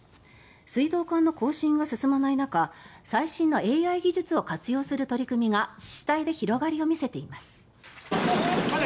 水道管の更新が進まない中最新のＡＩ技術を活用する取り組みが自治体で広がりを見せています。